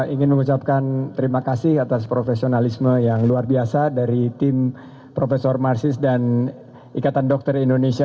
ingin mengucapkan terima kasih atas profesionalisme yang luar biasa dari tim prof marsis dan ikatan dokter indonesia